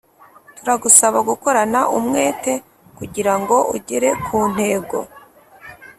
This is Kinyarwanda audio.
Turagusaba gukorana umwete, kugira ngo ugere ku ntego.